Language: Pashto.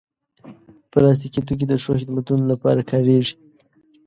پلاستيکي توکي د ښو خدمتونو لپاره کارېږي.